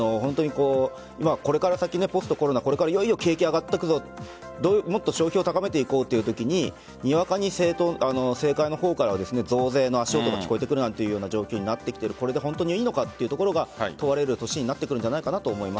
これから先、ポストコロナいよいよ景気が上がっていくぞもっと消費を高めていこうというときににわかに政界の方からは増税の足音が聞こえてくるという状況になってこれで本当にいいのかというところが問われる年になってくるんじゃないかなと思います。